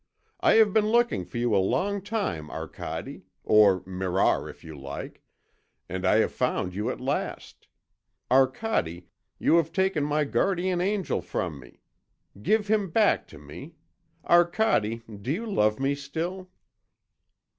I have been looking for you a long time, Arcade, or Mirar if you like, and I have found you at last. Arcade, you have taken my guardian angel from me. Give him back to me. Arcade, do you love me still?"